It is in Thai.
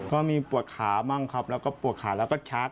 ก็มีปวดขาบ้างครับแล้วก็ปวดขาแล้วก็ชาร์จ